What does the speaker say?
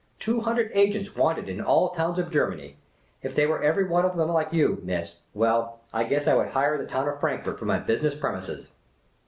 Two hundred agents wanted in all towns of Germany. If they were every one of them like yoic, miss, — well, I guess I would hire the town of Frankfort for my business premises."